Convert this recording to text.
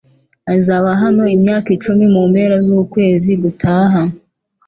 Azaba hano imyaka icumi mu mpera zukwezi gutaha.